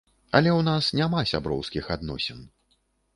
Але ў нас няма сяброўскіх адносін.